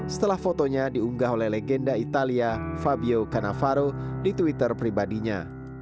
setelah fotonya diunggah oleh legenda italia fabio kanavaro di twitter pribadinya